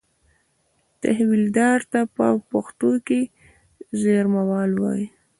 تحویلدار ته په پښتو کې زېرمهوال وایي.